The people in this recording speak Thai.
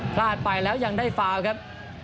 พลาดไปแล้วยังได้ฟาวครับ